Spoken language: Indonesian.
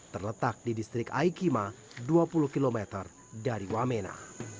terletak di distrik aikima dua puluh km dari wamena